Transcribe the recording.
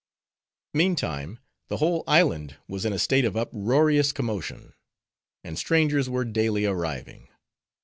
Meantime, the whole island was in a state of uproarious commotion, and strangers were daily arriving.